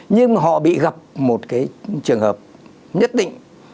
nhưng họ bị gặp một cái trường hợp nhất định